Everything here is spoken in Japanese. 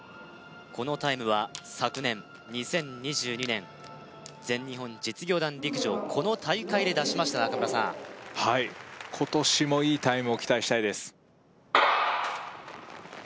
このタイムは昨年２０２２年全日本実業団陸上この大会で出しました中村さんはい今年もいいタイムを期待したいです